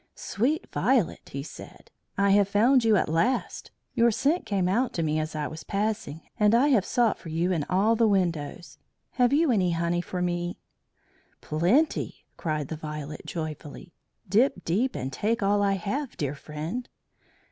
"Sweet Violet," he said, "I have found you at last. Your scent came out to me as I was passing, and I have sought for you in all the windows. Have you any honey for me?" "Plenty!" cried the Violet joyfully. "Dip deep and take all I have, dear friend."